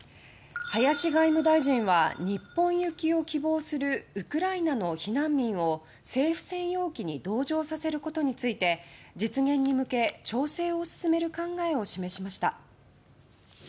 林外務大臣は日本行きを希望するウクライナの避難民を政府専用機に同乗させることについて実現に向け調整を進める考えを示しました。